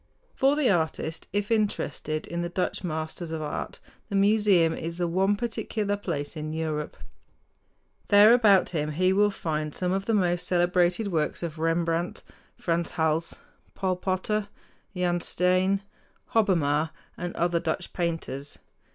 For the artist, if interested in the Dutch masters of art, the museum is the one particular place in Europe. There about him he will find some of the most celebrated works of Rembrandt, Franz Hals, Paul Potter, Jan Steen (stane), Hobbema (hob´ be mah), and other Dutch painters.